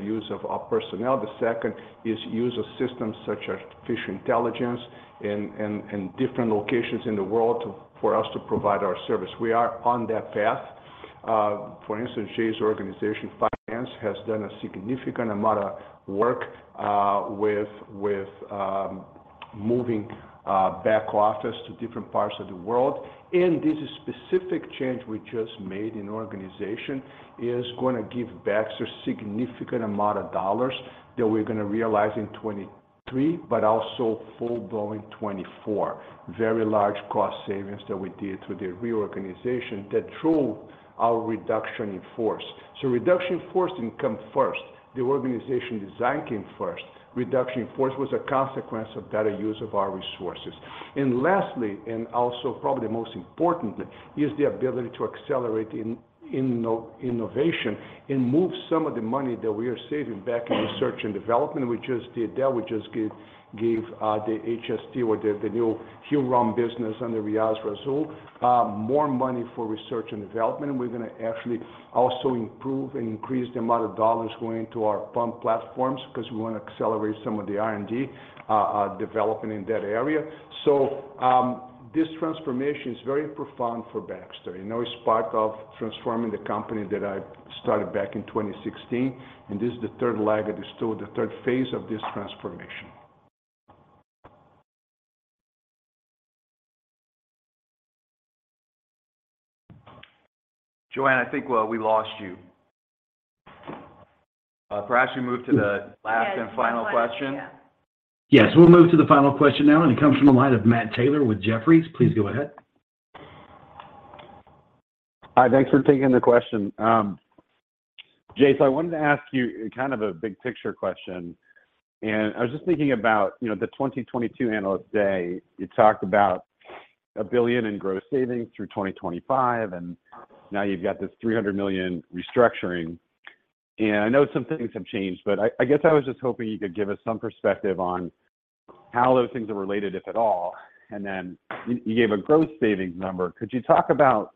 Speaker 3: use of our personnel. The second is use of systems such as artificial intelligence in different locations in the world for us to provide our service. We are on that path. For instance, Jay Saccaro's organization, finance, has done a significant amount of work with moving back office to different parts of the world. This specific change we just made in the organization is gonna give Baxter significant amount of dollars that we're gonna realize in 2023, but also full-blown 2024. Very large cost savings that we did through the reorganization that drove our reduction in force. Reduction in force didn't come first. The organization design came first. Reduction in force was a consequence of better use of our resources. Lastly, and also probably most importantly, is the ability to accelerate innovation and move some of the money that we are saving back in research and development. We just did that. We just gave the HST or the new Hillrom business under Reaz Rasul more money for research and development. We're gonna actually also improve and increase the amount of dollars going to our pump platforms 'cause we wanna accelerate some of the R&D development in that area. This transformation is very profound for Baxter. You know, it's part of transforming the company that I started back in 2016, and this is the third leg, it is still the third phase of this transformation.
Speaker 4: Joanne, I think, we lost you. Perhaps we move to the last-
Speaker 2: Yeah, the final question. Yeah
Speaker 4: final question.
Speaker 1: Yes, we'll move to the final question now. It comes from the line of Matt Taylor with Jefferies. Please go ahead.
Speaker 12: Hi. Thanks for taking the question. Jay, I wanted to ask you kind of a big picture question. I was just thinking about, you know, the 2022 Analyst Day. You talked about $1 billion in gross savings through 2025, now you've got this $300 million restructuring. I know some things have changed, but I guess I was just hoping you could give us some perspective on how those things are related, if at all. You gave a gross savings number. Could you talk about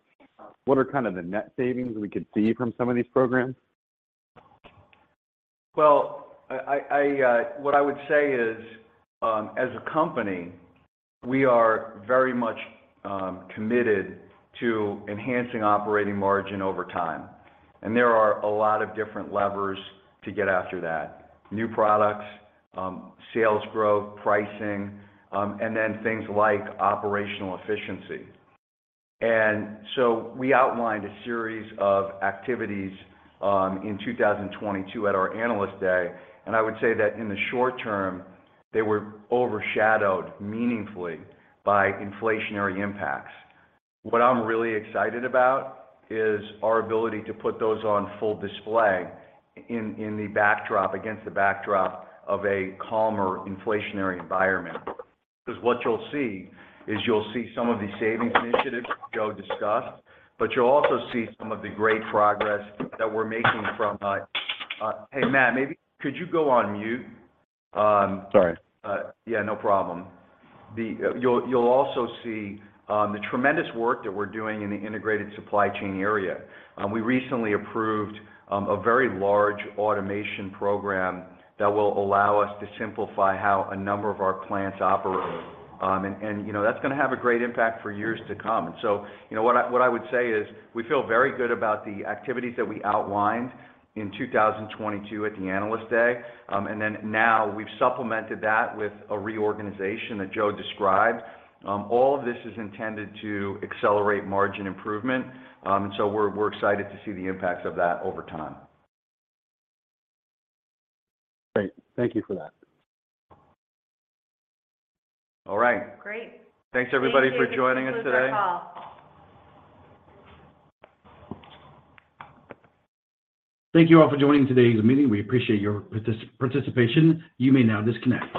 Speaker 12: what are kind of the net savings we could see from some of these programs?
Speaker 4: Well what I would say is, as a company, we are very much committed to enhancing operating margin over time. There are a lot of different levers to get after that: new products, sales growth, pricing, and then things like operational efficiency. We outlined a series of activities in 2022 at our Analyst Day, I would say that in the short term, they were overshadowed meaningfully by inflationary impacts. What I'm really excited about is our ability to put those on full display in the backdrop, against the backdrop of a calmer inflationary environment. What you'll see is you'll see some of the savings initiatives Joe discussed, but you'll also see some of the great progress that we're making from. Hey, Matt, maybe could you go on mute?
Speaker 12: Sorry.
Speaker 4: You'll also see the tremendous work that we're doing in the integrated supply chain area. We recently approved a very large automation program that will allow us to simplify how a number of our plants operate. You know, that's gonna have a great impact for years to come. You know, what I, what I would say is we feel very good about the activities that we outlined in 2022 at the Analyst Day. Now we've supplemented that with a reorganization that Joe described. All of this is intended to accelerate margin improvement. We're, we're excited to see the impacts of that over time.
Speaker 12: Great. Thank you for that.
Speaker 4: All right.
Speaker 12: Great.
Speaker 4: Thanks everybody for joining us today.
Speaker 2: Thank you. This concludes our call.
Speaker 1: Thank you all for joining today's meeting. We appreciate your participation. You may now disconnect.